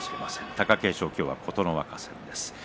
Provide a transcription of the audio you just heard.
貴景勝、今日は琴ノ若戦です。